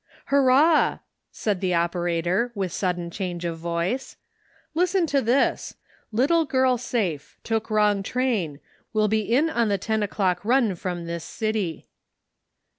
"Hurrah!" said the operator, with sudden change of voice; "listen to this: * Little girl safe — took wrong train — will be in on the ten o'clock run from this city.'